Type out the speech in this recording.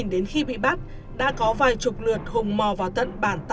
từ năm hai nghìn đến khi bị bắt đã có vài chục lượt hùng mò vào tận bản tà dê để nhận hàng từ ra